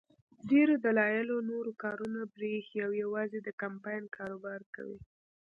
ډېرو دلالانو نور کارونه پرېښي او یوازې د کمپاین کاروبار کوي.